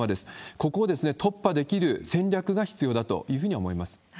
ここを突破できる戦略が必要だというふうに思います。